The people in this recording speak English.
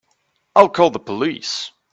I'll call the police.